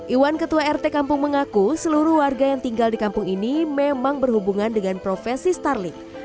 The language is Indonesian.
iwan ketua rt kampung mengaku seluruh warga yang tinggal di kampung ini memang berhubungan dengan profesi starling